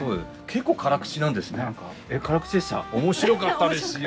面白かったですよ。